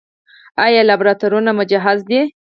آیا لابراتوارونه مجهز دي؟